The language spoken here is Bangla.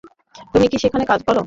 তুমি কি সেখানেই কাজ করো?